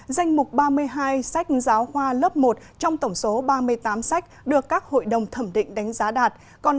danh mục ba mươi hai sách giáo khoa lớp một trong tổng số ba mươi tám sách được các hội đồng thẩm định đánh giá đạt